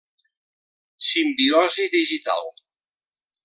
Simbiosi digital.